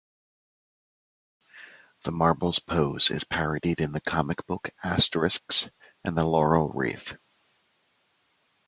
The marble's pose is parodied in the comic book "Asterix and the Laurel Wreath".